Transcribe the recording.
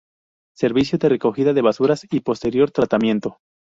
Servicio de recogida de basuras y posterior tratamiento.